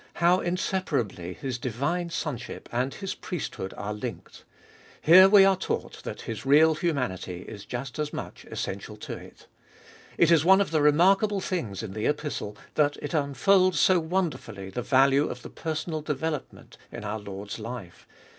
how inseparably His divine sonship and His priesthood are linked. Here we are taught that His real humanity is just as much essential to it. It is one of the remarkable things in the Epistle that it unfolds so wonder fully the value of the personal development in our Lord's life.